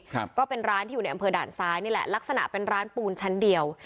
ครับก็เป็นร้านที่อยู่ในอำเภอด่านซ้ายนี่แหละลักษณะเป็นร้านปูนชั้นเดียว